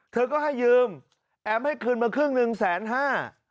เธอก็ให้ยืมแอมให้คืนมาครึ่งหนึ่งแสนห้า